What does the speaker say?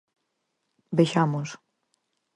Vexamos.